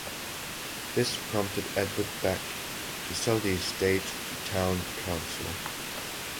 This prompted Edvard Bech to sell the estate to the town council.